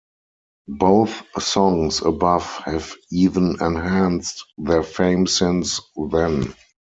Both songs above have even enhanced their fame since then.